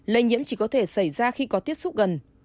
lây nhiễm chỉ có thể xảy ra khi có tiếp xúc gần